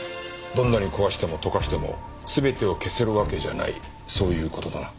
どんなに壊しても溶かしても全てを消せるわけじゃないそういう事だな？